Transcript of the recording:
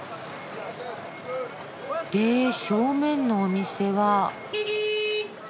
で正面のお店は。